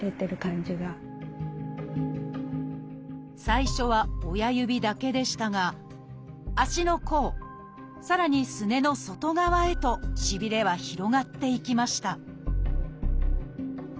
最初は親指だけでしたが足の甲さらにすねの外側へとしびれは広がっていきました